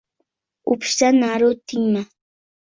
— O‘pishdan nari o‘tdingmi?